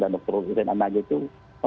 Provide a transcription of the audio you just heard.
dan doktor zain al najah itu